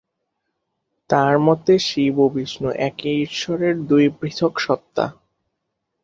তার মতে, শিব ও বিষ্ণু একই ঈশ্বরের দুই পৃথক সত্ত্বা।